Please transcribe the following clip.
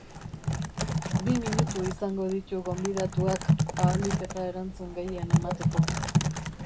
Bi minutu izango ditu gonbidatuak ahalik eta erantzun gehien emateko.